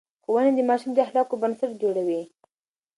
ښوونې د ماشوم د اخلاقو بنسټ جوړوي.